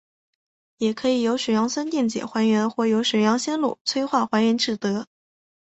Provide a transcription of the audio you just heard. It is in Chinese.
也可以由水杨酸电解还原或由水杨酰卤催化还原制得。